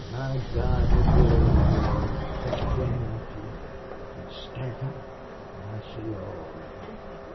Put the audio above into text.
"My Gawd! you poor little girl! With that gang after you! An' Stanton! I see all now....